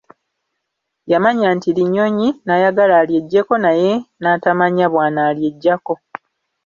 Yamanya nti Linyonyi, n'ayagala alyeggyeko naye n'atamanya bw'anaalyeggyako.